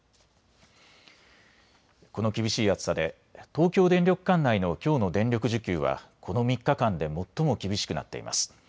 この厳しい暑さで東京電力管内のきょうの電力需給はこの３日間で最も厳しくなっています。